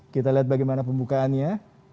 kita lihat bagaimana pembukaannya